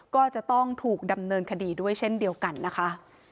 ก็จะต้องถูกดำเนินคดีด้วยเช่นเดียวกันนะคะ